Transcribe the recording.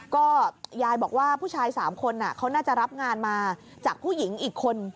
ก็ยายบอกว่าผู้ชาย๓คนเขาน่าจะรับงานมาจากผู้หญิงอีกคน